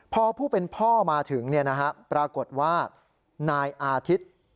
พอผู้เป็นพ่อมาถึงปรากฏว่านายอาทิตย์